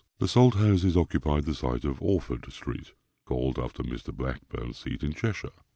The Salt houses occupied the site of Orford street (called after Mr. Blackburne's seat in Cheshire).